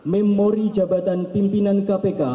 memori jabatan pimpinan kpk